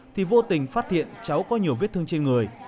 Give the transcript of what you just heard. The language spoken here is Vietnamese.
thì vô tình phát hiện cháu có nhiều vết thương trên người